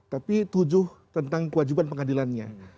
tapi tujuh tentang kewajiban pengadilannya